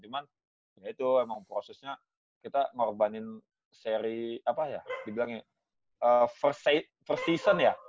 cuman ya itu emang prosesnya kita ngorbanin seri apa ya dibilangnya first season ya